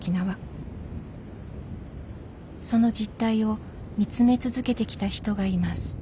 その実態を見つめ続けてきた人がいます。